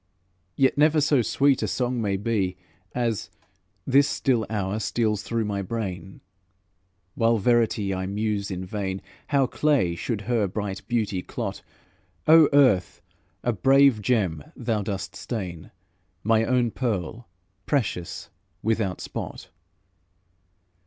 Yet never so sweet a song may be As, this still hour, steals through my brain, While verity I muse in vain How clay should her bright beauty clot; O Earth! a brave gem thou dost stain, My own pearl, precious, without spot!